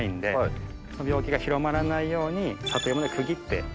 病気が広まらないように里芋で区切って。